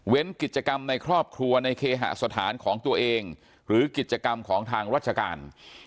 กิจกรรมในครอบครัวในเคหสถานของตัวเองหรือกิจกรรมของทางราชการ